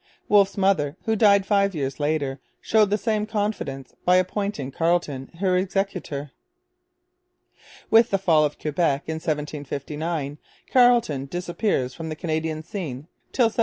Wolfe's mother, who died five years later, showed the same confidence by appointing Carleton her executor. With the fall of Quebec in 1759 Carleton disappears from the Canadian scene till 1766.